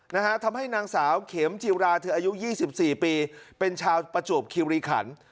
นะฮะทำให้นางสาวเข็มจิราเธออายุยี่สิบสี่ปีเป็นชาวประจวบคิวรีขัน